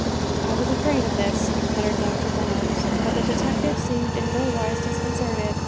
"I was afraid of this," muttered Doctor Barnes. But the detective seemed in nowise disconcerted.